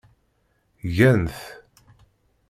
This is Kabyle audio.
Gan-t.